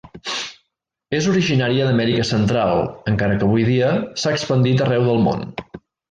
És originària d'Amèrica Central, encara que avui dia s'ha expandit arreu del món.